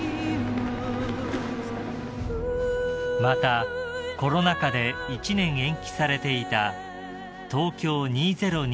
［またコロナ禍で１年延期されていた東京２０２０